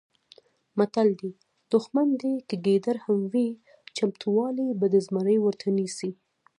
متل دی: دوښمن دې که ګیدړ هم وي چمتوالی به د زمري ورته نیسې.